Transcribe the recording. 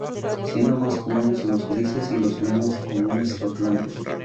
Siendo más comunes los grises y los menos comunes los blancos.